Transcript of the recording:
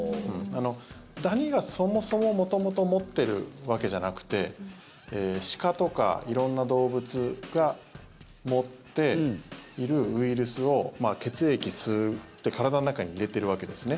ダニがそもそも元々、持っているわけじゃなくて鹿とか色んな動物が持っているウイルスを血液を吸って体の中に入れてるわけですね。